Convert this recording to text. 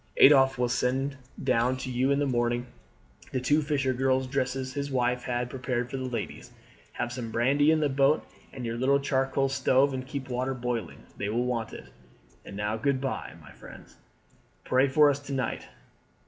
"Adolphe will send down to you in the morning the two fisher girls' dresses his wife had prepared for the ladies. Have some brandy in the boat and your little charcoal stove, and keep water boiling. They will want it. And now good bye, my good friends! Pray for us to night.